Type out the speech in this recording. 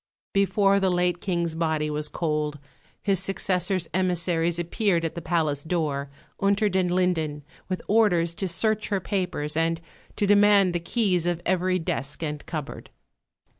Before the late King's body was cold, his successor's emissaries appeared at the palace door, Unter den Linden, with orders to search her papers and to demand the keys of every desk and cupboard.